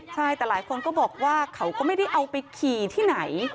ใช่แต่หลายคนก็บอกว่าเขาก็ไม่ได้เอาไปขี่ที่ไหน